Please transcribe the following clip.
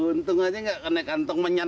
untung aja gak kena kantong menyan